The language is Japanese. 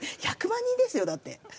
１００万人ですよだって。